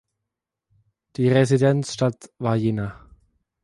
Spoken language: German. Die Residenzstadt war Jena.